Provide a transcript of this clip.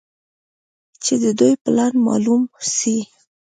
چې د دوى پلان مالوم سي.